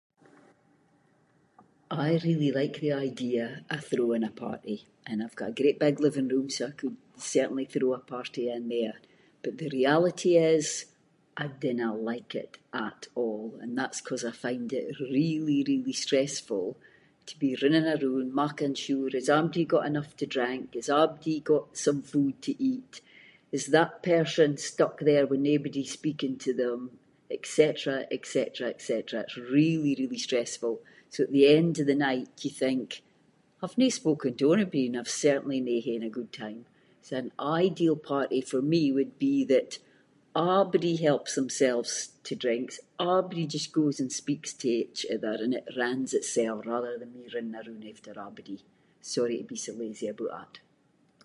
I really like the idea of throwing a party, and I’ve got a great big living room, so I could certainly throw a party in there, but the reality is I dinna like it at all, and that’s ‘cause I find it really really stressful to be running aroond, making sure is abody got enough to drink, is abody got some food to eat, is that person stuck there with naebody speaking to them et cetera, et cetera, et cetera, it’s really really stressful, so at the end of the night you think, I’ve no spoken to onybody, and I’ve certainly no haen a good time. So an ideal party for me would be that abody helps themselves to drinks, abody just goes and speaks to each other and it runs itself, rather than me running aroond after abody. Sorry to be so lazy aboot it.